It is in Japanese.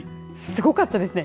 すごかったですね。